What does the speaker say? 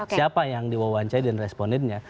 siapa yang diwawancarai dan respondennya